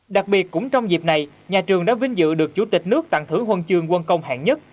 đặc biệt cũng trong dịp này nhà trường đã vinh dự được chủ tịch nước tặng thưởng huân chương quân công hạng nhất